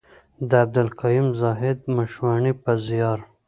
د عبدالقيوم زاهد مشواڼي په زيار.